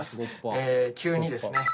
急にですね